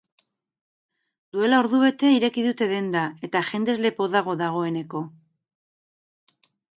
Duela ordubete ireki dute denda, eta jendez lepo dago dagoeneko